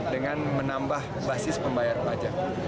dengan menambah basis pembayar pajak